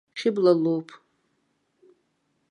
Хьыбла лоуп.